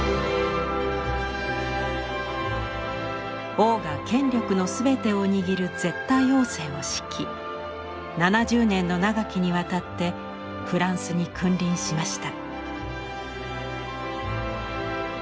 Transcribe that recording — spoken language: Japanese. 王が権力のすべてを握る絶対王政を敷き７０年の長きにわたってフランスに君臨しました。